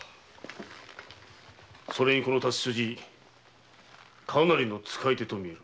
それにこの太刀筋かなりの使い手とみえる。